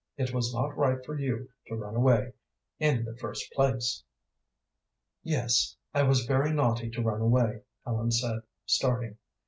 It was not right for you to run away, in the first place." "Yes, I was very naughty to run away," Ellen said, starting.